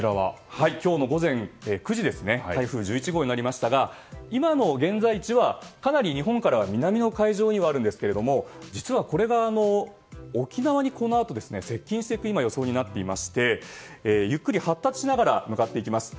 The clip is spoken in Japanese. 今日の午前９時台風１１号になりましたが現在地はかなり日本からは南の海上ですが実はこれが沖縄に、このあと接近する予想になっていましてゆっくり発達しながら向かっていきます。